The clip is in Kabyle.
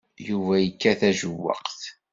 Yuba yekkat tajewwaqt.